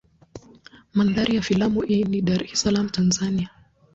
Mandhari ya filamu hii ni Dar es Salaam Tanzania.